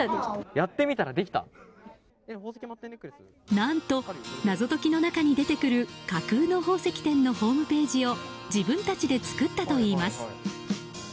何と、謎解きの中に出てくる架空の宝石店のホームページを自分たちで作ったといいます。